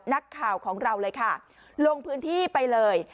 นักข่าวของเราเลยค่ะลงพื้นที่ไปเลย